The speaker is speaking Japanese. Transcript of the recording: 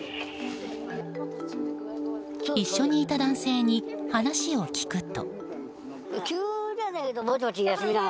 一緒にいた男性に話を聞くと。